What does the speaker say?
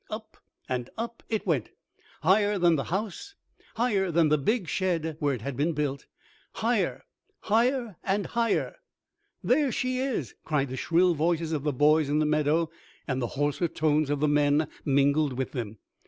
Up and up it went, higher than the house, higher than the big shed where it had been built, higher, higher, higher! "There she is!" cried the shrill voices of the boys in the meadow, and the hoarser tones of the men mingled with them.